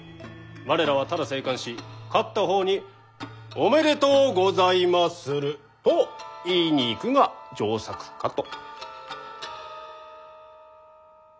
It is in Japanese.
我らはただ静観し勝った方に「おめでとうございまする」と言いに行くが上策かと。